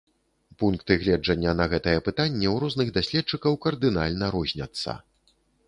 Пункты гледжання на гэтае пытанне ў розных даследчыкаў кардынальна розняцца.